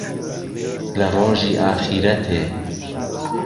له رۆژی ئاخیرهتێ